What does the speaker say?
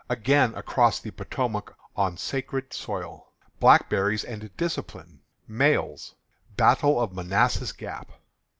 Again Across the Potomac on "Sacred Soil." Blackberries and Discipline. Mails. Battle of Manassas Gap.